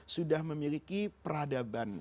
sudah memiliki peradaban